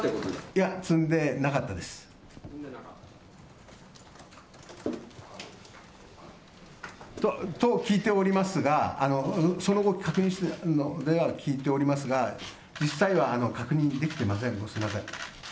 いや、積んでなかったです。と聞いておりますが、その後、確認では聞いておりますが、実際は確認できてません、すみません。